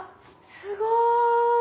すごい！